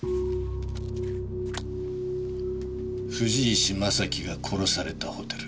藤石正輝が殺されたホテル。